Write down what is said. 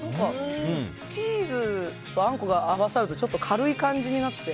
チーズとあんこが合わさるとちょっと軽い感じになって。